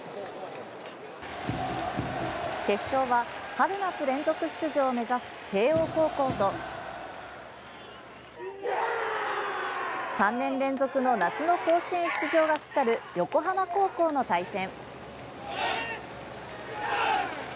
決勝は、春夏連続出場を目指す慶応高校と３年連続の夏の甲子園出場がかかる横浜高校の対戦。